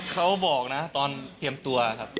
เขาบอกนะตอนเตรียมตัวครับ